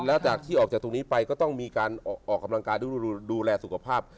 แล้วจากที่ออกจากตรงนี้ไปก็ต้องมีการออกกำลังกายดูแลสุขภาพ